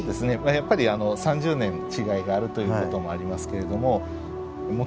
やっぱり３０年違いがあるということもありますけれども。